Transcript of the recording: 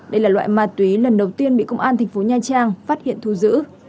đây là loại ma túy lần đầu tiên bị công an thành phố nha trang phát hiện thu giữ